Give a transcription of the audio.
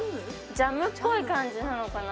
ジャムっぽい感じなのかな？